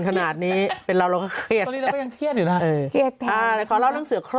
ขอให้เล่าเรื่องสื่อโครง